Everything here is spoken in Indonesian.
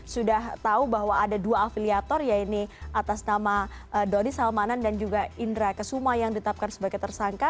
sudah tahu bahwa ada dua afiliator yaitu atas nama doni salmanan dan juga indra kesuma yang ditetapkan sebagai tersangka